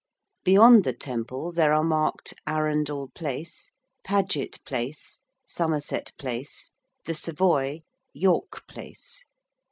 Beyond the Temple there are marked Arundel Place, Paget Place, Somerset Place, the Savoy, York Place.